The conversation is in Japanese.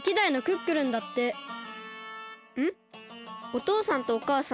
おとうさんとおかあさんいないよ。